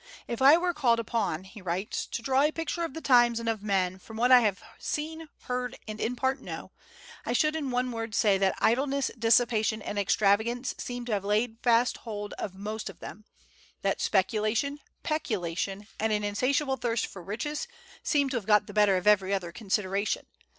"If I were called upon," he writes, "to draw a picture of the times and of men, from what I have seen, heard, and in part know, I should in one word say that idleness, dissipation, and extravagance seem to have laid fast hold of most of them; that speculation, peculation, and an insatiable thirst for riches seem to have got the better of every other consideration...